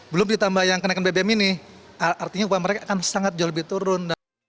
belum ditambah yang kenaikan bbm ini artinya upah mereka akan sangat jauh lebih turun